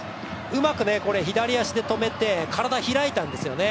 うまく左足で止めて、体、開いたんですけどね。